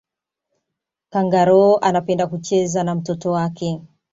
kangaroo anapenda kucheza na mtoto wake